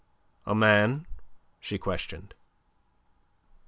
"A man?" she questioned.